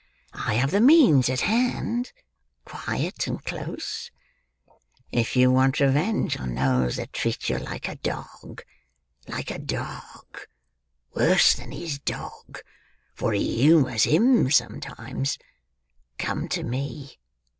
I have the means at hand, quiet and close. If you want revenge on those that treat you like a dog—like a dog! worse than his dog, for he humours him sometimes—come to me.